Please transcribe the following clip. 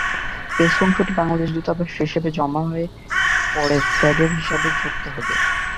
Peso অংশটি বাংলাদেশ দূতাবাসের হিসাবে জমা হয়ে পরে ফেডের হিসাবে যুক্ত হবে।